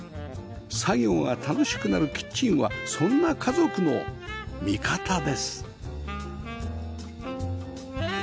作業が楽しくなるキッチンはそんな家族の味方です